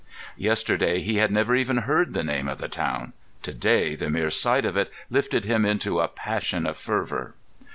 Yesterday he had never even heard the name of the town. To day the mere sight of it lifted him into a passion of fervour.